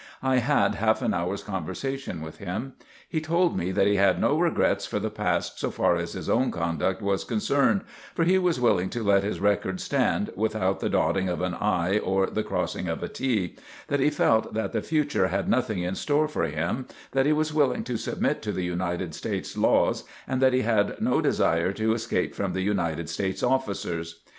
I had half an hour's conversation with him. He told me that he had no regrets for the past so far as his own conduct was concerned; that he was willing to let his record stand without the dotting of an i or the crossing of a t; that he felt that the future had nothing in store for him; that he was willing to submit to the United States laws; and that he had no desire to escape from the United States officers.